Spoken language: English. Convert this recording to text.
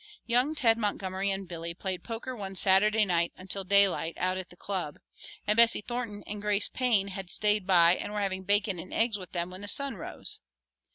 Young Ted Montgomery and Billy played poker one Saturday night until daylight out at the Club, and Bessie Thornton and Grace Payne had "staid by" and were having bacon and eggs with them when the sun rose.